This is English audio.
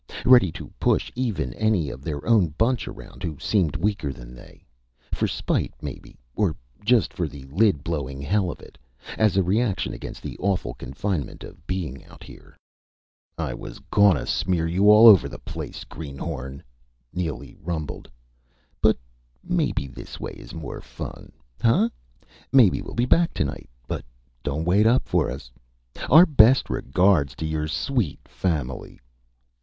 Ready to push even any of their own bunch around who seemed weaker than they. For spite, maybe. Or just for the lid blowing hell of it as a reaction against the awful confinement of being out here. "I was gonna smear you all over the place, Greenhorn," Neely rumbled. "But maybe this way is more fun, hunh? Maybe we'll be back tonight. But don't wait up for us. Our best regards to your sweet family."